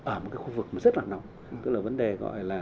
ở một khu vực rất là nóng